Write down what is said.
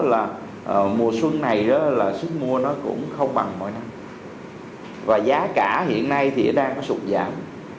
là mùa xuân này là sức mua nó cũng không bằng mọi năm và giá cả hiện nay thì đang có sụt giảm